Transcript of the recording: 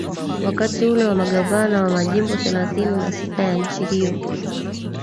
wakati ule wa magavana wa majimbo thelathini na sita ya nchi hiyo